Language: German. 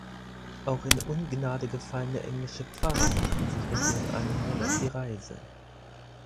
Auch in Ungnade gefallene englische Pfarrer machten sich mit ihren Anhängern auf die Reise.